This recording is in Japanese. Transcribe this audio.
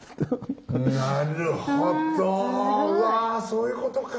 そういうことか。